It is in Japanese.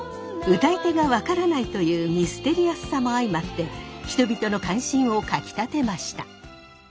歌い手が分からないというミステリアスさも相まって人々の関心をかきたてました。